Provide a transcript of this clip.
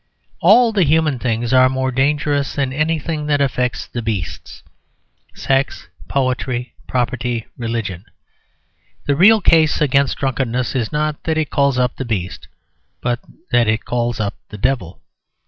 All the human things are more dangerous than anything that affects the beasts sex, poetry, property, religion. The real case against drunkenness is not that it calls up the beast, but that it calls up the Devil.